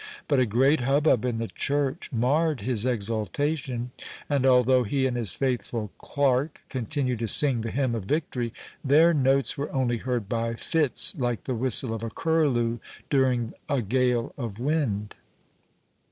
But a great hubbub in the church marred his exultation, and although he and his faithful clerk continued to sing the hymn of victory, their notes were only heard by fits, like the whistle of a curlew during a gale of wind.